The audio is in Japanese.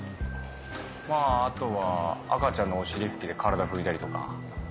まぁあとは赤ちゃんのお尻拭きで体拭いたりとか。